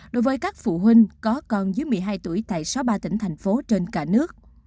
đối với các phụ huynh có con dưới một mươi hai tuổi tại sáu mươi ba tỉnh thành phố trên cả nước